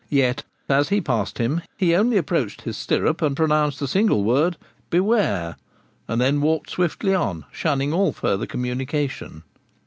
Yet, as he passed him, he only approached his stirrup and pronounced the single word 'Beware!' and then walked swiftly on, shunning all further communication.